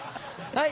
はい。